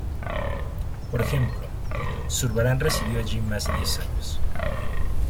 Por ejemplo, Zurbarán residió allí más de diez años.